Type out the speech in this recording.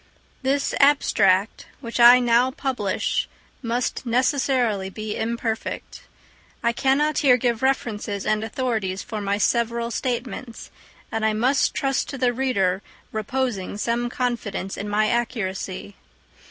This abstract, which I now publish, must necessarily be imperfect. I cannot here give references and authorities for my several statements; and I must trust to the reader reposing some confidence in my accuracy.